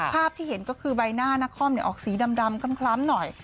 ภาพที่เห็นก็คือใบหน้านักคอมออกสีดำคล้ำหน่อย